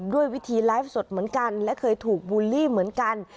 ด้วยวิธีไลฟ์สดเหมือนกันและเคยถูกบูลลี่เหมือนกัน